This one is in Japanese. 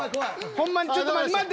ホンマにちょっと待って。